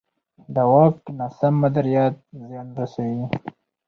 د واک ناسم مدیریت زیان رسوي